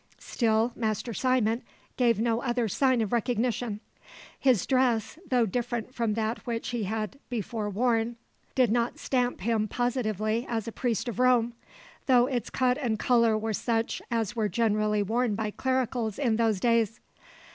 Still Master Simon gave no other sign of recognition. His dress, though different from that which he had before worn, did not stamp him positively as a priest of Rome, though its cut and colour were such as were generally worn by clericals in those days.